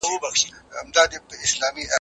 د دلارام په مځکو کي د انګورو تاکونه ښه حاصل ورکوي.